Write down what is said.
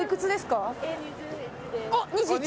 あっ２１！